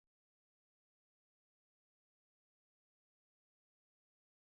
তিনি মধ্য তিব্বত যাত্রা করেন।